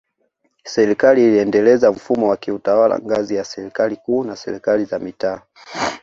Serikali iliendeleza mfumo wa kiutawala ngazi ya Serikali Kuu na Serikali za Mitaa